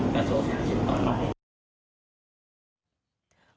กระโจทย์ต่อใหม่